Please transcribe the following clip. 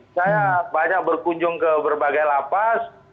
saya banyak berkunjung ke berbagai lapas